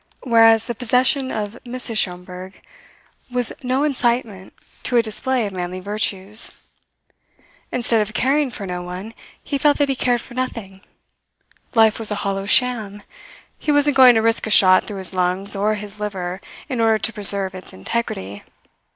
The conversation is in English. Whereas the possession of Mrs. Schomberg was no incitement to a display of manly virtues. Instead of caring for no one, he felt that he cared for nothing. Life was a hollow sham; he wasn't going to risk a shot through his lungs or his liver in order to preserve its integrity.